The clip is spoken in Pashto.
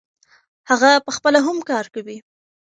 هغه پخپله هم کار کوي.